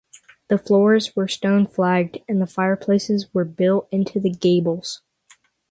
The floors were stone flagged and the fireplaces were built into the gables.